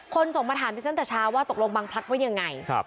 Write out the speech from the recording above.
คนส่งมาถามพี่ฉันตั้งแต่เช้าว่าตกลงบางพลัสไว้ยังไง